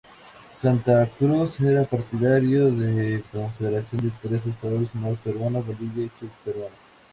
Santa Cruz era partidario de una confederación de tres estados: Nor-Peruano, Bolivia y Sud-Peruano.